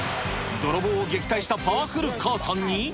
泥棒を撃退したパワフル母さんに。